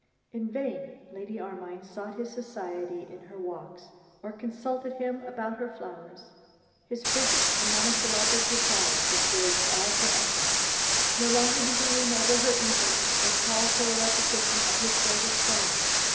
In vain Lady Armine sought his society in her walks, or consulted him about her flowers. His frigid and monosyllabic replies discouraged all her efforts. No longer did he lean over her easel, or call for a repetition of his favourite song.